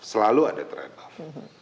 selalu ada trade off